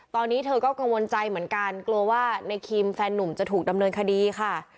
ตอนนี้เธอก็กังวลใจเหมือนกันกลัวว่าในคิมแฟนนุ่มจะถูกดำเนินคดีค่ะ